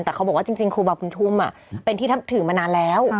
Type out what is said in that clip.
แต่เขาบอกว่าจริงครูบาบุญชุมเป็นที่ถือมานานแล้ว